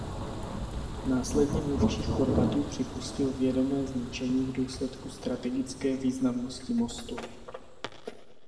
Následně mluvčí Chorvatů připustil vědomé zničení v důsledku strategické významnosti mostu.